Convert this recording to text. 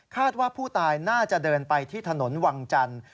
ว่าผู้ตายน่าจะเดินไปที่ถนนวังจันทร์